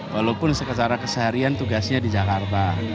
walaupun secara keseharian tugasnya di jakarta